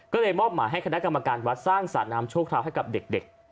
ก็เลยมอบหมายให้คณะกรรมการวัดสร้างสระน้ำชั่วคราวให้กับเด็ก